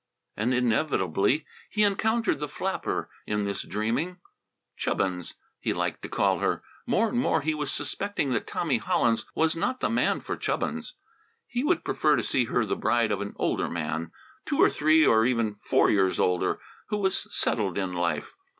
And inevitably he encountered the flapper in this dreaming; "Chubbins," he liked to call her. More and more he was suspecting that Tommy Hollins was not the man for Chubbins. He would prefer to see her the bride of an older man, two or three, or even four, years older, who was settled in life.